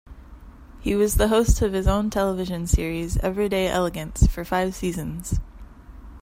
He was the host of his own television series "Everyday Elegance" for five seasons.